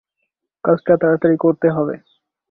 কাজটা তাড়াতাড়ি করতে হবে।